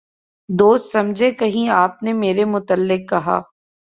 دوست سمجھے کہیں آپ نے میرے متعلق کہا